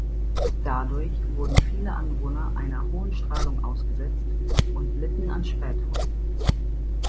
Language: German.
Dadurch wurden viele Anwohner einer hohen Strahlung ausgesetzt und litten an Spätfolgen.